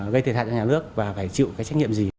gây thiệt hại cho nhà nước và phải chịu cái trách nhiệm gì